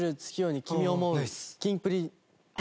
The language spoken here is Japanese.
キンプリ。